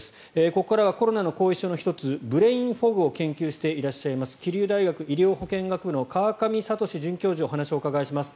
ここからはコロナの後遺症の１つブレインフォグを研究していらっしゃいます桐生大学医療保健学部の川上智史准教授にお話をお伺いします。